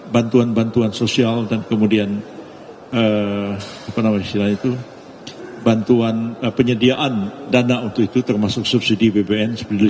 bantuan bantuan sosial dan kemudian bantuan penyediaan dana untuk itu termasuk subsidi bbm